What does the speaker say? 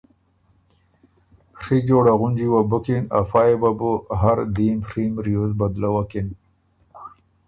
ڒی جوړۀ غُنجی وه بُکِن ا فئ یه وه بُو هر دیم ڒیم ریوز بدلوکِن۔